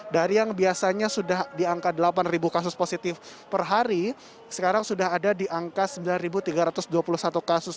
dari yang biasanya sudah di angka delapan kasus positif per hari sekarang sudah ada di angka sembilan tiga ratus dua puluh satu kasus